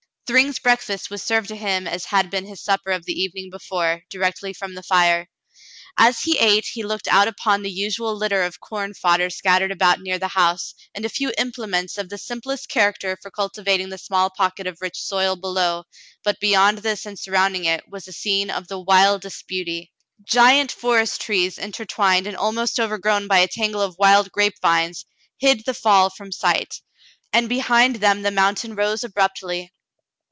Thryng's breakfast was served to him as had been his supper of the evening before, directly from the fire. As he ate he looked out upon the usual litter of corn fodder scattered about near the house, and a few implements of the simplest character for cultivating the small pocket of rich soil below, but beyond this and surrounding it was a scene of the wildest beauty. Giant forest trees, inter twined and almost overgrown by a tangle of wild grape vines, hid the fall from sight, and behind them the moun tain rose abruptly.